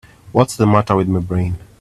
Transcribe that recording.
What's the matter with my brain?